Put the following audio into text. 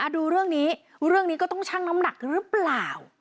ดูเรื่องนี้เรื่องนี้ก็ต้องชั่งน้ำหนักหรือเปล่า